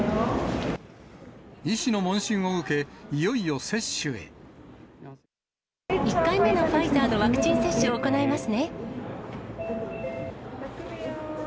医師の問診を受け、いよいよ１回目のファイザーのワクチン接種を行いますね。